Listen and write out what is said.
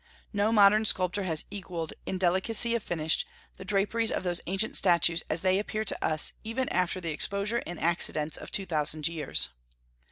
No modern sculptor has equalled, in delicacy of finish, the draperies of those ancient statues as they appear to us even after the exposure and accidents of two thousand years.